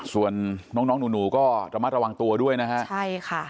ส่วนน้องหนูก็ต้องมาระวังตัวด้วยนะคะใช่ค่ะ